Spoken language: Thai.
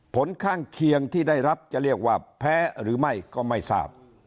ผลข้างเคียงที่ได้รับจะเรียกว่าแพ้หรือไม่ก็ไม่ทราบ